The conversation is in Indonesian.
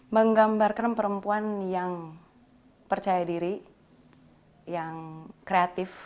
menggambarkan perempuan yang percaya diri yang kreatif